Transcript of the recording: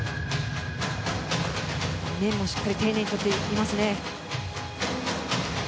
面もしっかり丁寧にとっていますね。